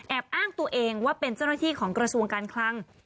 อ้างตัวเองว่าเป็นเจ้าหน้าที่ของกระทรวงการคลัง